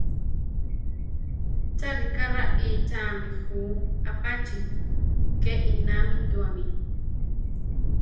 Cha ríka raíchami jú apachí, ke inámituami.